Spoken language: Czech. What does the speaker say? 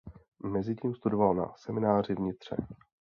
Mezitím studoval na semináři v Nitře.